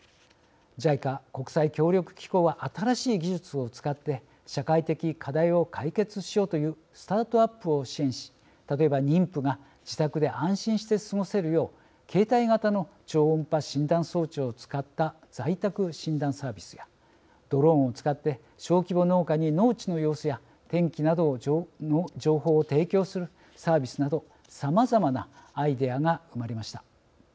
ＪＩＣＡ＝国際協力機構は新しい技術を使って社会的課題を解決しようとするスタートアップを支援し例えば妊婦が自宅で安心して過ごせるよう携帯型の超音波診断装置を使った在宅診断サービスやドローンを使って小規模農家に農地の様子や天気などの情報を提供するサービスなどさまざまなアイデアが生まれました。